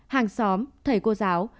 hàng xóm thầy cô giáo